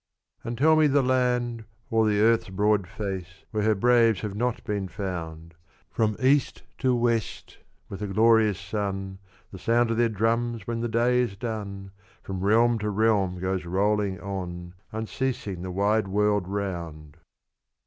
And tell me the land, o'er the earth's broad face, Where her "braves" have not been found, From East to West, with the glorious sun, The sound of their drums when the day is done, From realm to realm goes rolling on Unceasing the wide world round!